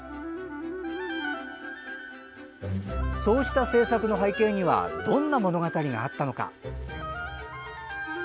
そうした制作の背景にはどんな物語があったのか。